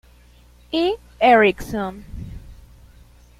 E. Eriksson.